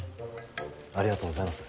ありがとうございます。